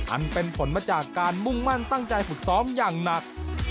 อันเป็นผลมาจากการมุ่งมั่นตั้งใจฝึกซ้อมอย่างหนัก